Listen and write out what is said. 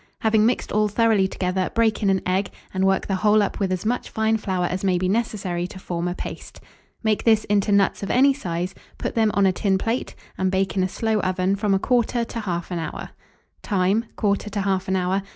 Having mixed all thoroughly together, break in an egg, and work the whole up with as much fine flour as may be necessary to form a paste. Make this into nuts of any size, put them on a tin plate, and bake in a slow oven from 1/4 to 1/2 hour. Time. 1/4 to 1/2 hour.